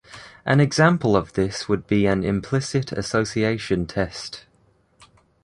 An example of this would be an Implicit Association Test.